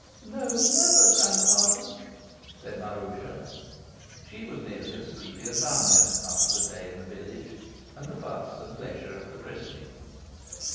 "No, never, grandfather," said Maroosia. She was nearly as sleepy as Vanya after the day in the village, and the fuss and pleasure of the christening.